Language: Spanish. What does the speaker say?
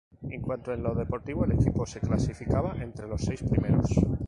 En cuanto en lo deportivo el equipo se clasificaba entre los seis primeros.